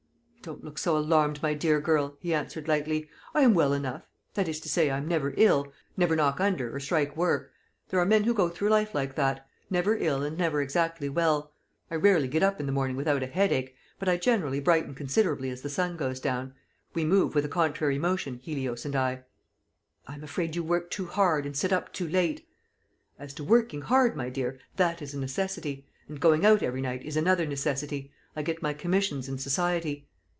"Don't look so alarmed, my dear girl," he answered lightly; "I am well enough; that is to say, I am never ill, never knock under, or strike work. There are men who go through life like that never ill, and never exactly well. I rarely get up in the morning without a headache; but I generally brighten considerably as the sun goes down. We move with a contrary motion, Helios and I." "I am afraid you work too hard, and sit up too late." "As to working hard, my dear, that is a necessity; and going out every night is another necessity. I get my commissions in society."